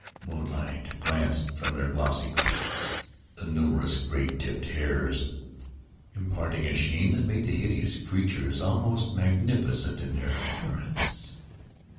The moonlight glanced from their glossy coats, the numerous gray tipped hairs imparting a sheen that made the hideous creatures almost magnificent in their appearance.